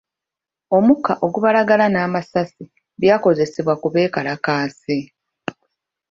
Omukka ogubalagala n'amasasi byakozesebwa ku beekalakaasi.